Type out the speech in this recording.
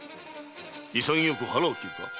潔く腹を切るか。